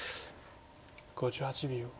５８秒。